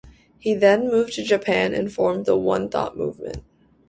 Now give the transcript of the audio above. He then moved to Japan and formed The One Thought Moment.